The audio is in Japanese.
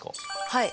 はい。